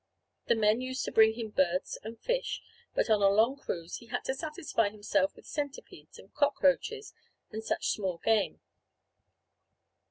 The men used to bring him birds and fish, but on a long cruise he had to satisfy himself with centipedes and cockroaches and such small game.